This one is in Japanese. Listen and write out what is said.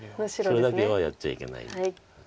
それだけはやっちゃいけない。